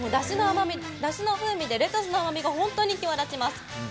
だしの風味でレタスの甘みが本当に際立ちます。